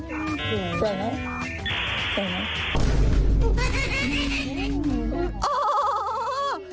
สวยไหม